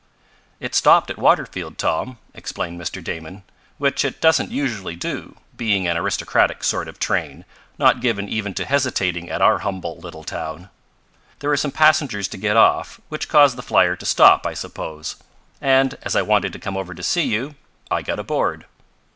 "It stopped at Waterfield, Tom," explained Mr. Damon, "which it doesn't usually do, being an aristocratic sort of train, not given even to hesitating at our humble little town. There were some passengers to get off, which caused the flier to stop, I suppose. And, as I wanted to come over to see you, I got aboard."